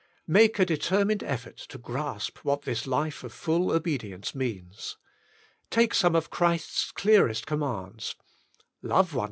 Make a determined effort to grasp what this life of full obedience means. Take some of Christ's clearest commands :— Love one